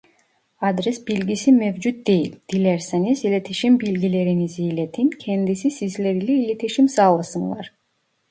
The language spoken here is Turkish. Adres bilgisi mevcut değil , dilerseniz iletişim bilgilerinizi iletin kendisi sizler ile iletişim sağlasınlar